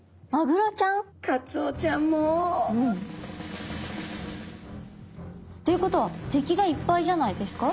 カツオちゃんも。ということは敵がいっぱいじゃないですか？